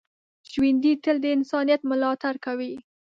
ژوندي تل د انسانیت ملاتړ کوي